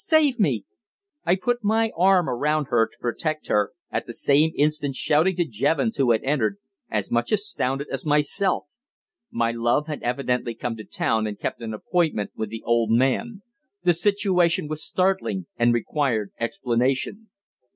Save me!" I put my arm around her to protect her, at the same instant shouting to Jevons, who entered, as much astounded as myself. My love had evidently come to town and kept an appointment with the old man. The situation was startling, and required explanation.